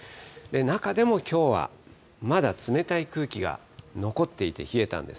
中でもきょうはまだ冷たい空気が残っていて、冷えたんです。